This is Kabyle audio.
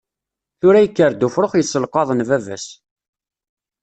Tura yekker-d ufrux yesselqaḍen baba-s.